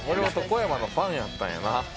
こやまのファンやったんやな？